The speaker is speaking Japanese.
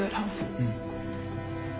うん。